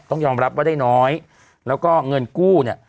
ต้องยอมรับว่าได้น้อยแล้วก็เงินกู้เนี่ย